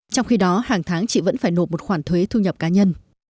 trong khi đó hàng tháng chị vẫn phải nộp một khoản thuế thu nhập cá nhân